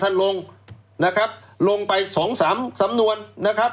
ลงนะครับลงไปสองสามสำนวนนะครับ